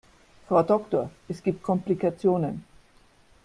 Frau Doktor, es gibt Komplikationen.